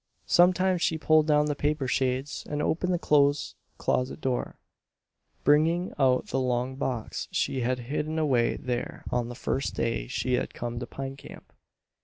Sometimes she pulled down the paper shades and opened the clothes closet door, bringing out the long box she had hidden away there on the first day she had come to Pine Camp.